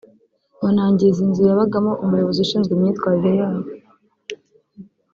banangiza inzu yabagamo umuyobozi ushinzwe imyitwarire yabo